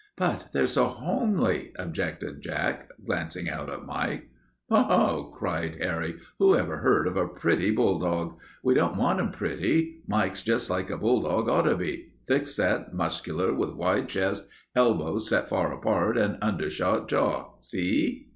"But they're so homely," objected Jack, glancing out at Mike. "Ho," cried Harry, "who ever heard of a pretty bulldog? We don't want 'em pretty. Mike's just like a bulldog ought to be, thick set, muscular, with wide chest, elbows set far apart, and undershot jaw. See?"